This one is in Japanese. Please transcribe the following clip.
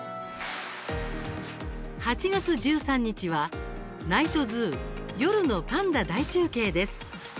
８月１３日は「ＮＩＧＨＴＺＯＯ夜のパンダ大中継」です。